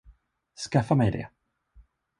Skaffa mig det!